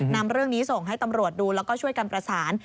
นำเรื่องนี้ส่งให้ตำรวจดูแล้วก็ช่วยกันประสาน